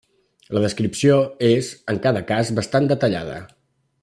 La descripció és, en cada cas, bastant detallada.